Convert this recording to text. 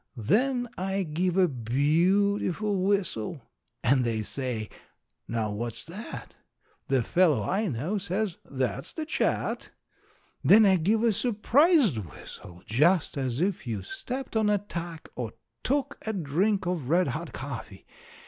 Then I give a beautiful whistle. And they say, "Now, what's that?" The fellow I know says, "That's the Chat." Then I give a surprised whistle, just as if you stepped on a tack or took a drink of red hot coffee.